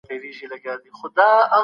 کمپيوټر ډاټا سپيډ ښيي.